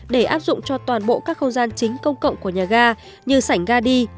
để áp dụng cho toàn bộ các không gian chính công cộng của nhà ga như sảnh ga đi